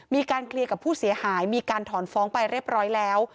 มีการเคลียร์กับผู้เสียหายมีการถอนฟ้องไปเรียบร้อยแล้ว